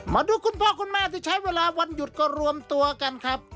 มาดูคุณพ่อคุณแม่ที่ใช้เวลาวันหยุดก็รวมตัวกันครับ